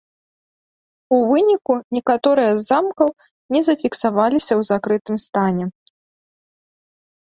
У выніку некаторыя з замкаў не зафіксаваліся ў закрытым стане.